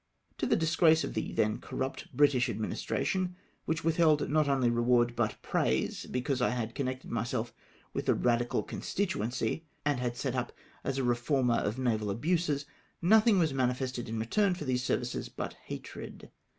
To the disgrace of the then corrupt British adminis tration, which withheld not only reward, but praise, because I had connected myself with a radical con stituency, and had set up as a reformer of naval abuses, nothing was manifested in return for these services but hatred.